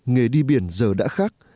nghề đi biển giờ đã khác